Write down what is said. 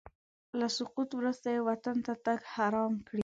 له سقوط وروسته یې وطن ته تګ حرام کړی.